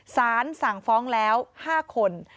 สารสั่งฟ้องแล้ว๕คน